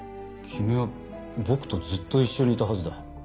君は僕とずっと一緒にいたはずだ。